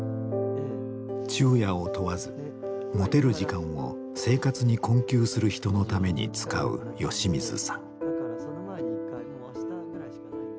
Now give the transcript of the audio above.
昼夜を問わず持てる時間を生活に困窮する人のために使う吉水さん。